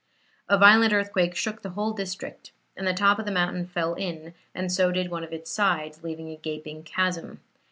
A violent earthquake shook the whole district, and the top of the mountain fell in, and so did one of its sides, leaving a gaping chasm.